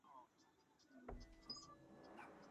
其妻赵芸蕾亦为前中国国家羽毛球队队员。